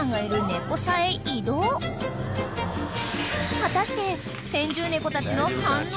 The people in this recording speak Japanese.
［果たして］